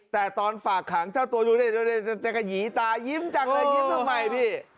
แต่ตอนฝากขังเจ้าตัวอยู่จะกระหยีตายิ้มจังเลยยิ้มทำไมพี่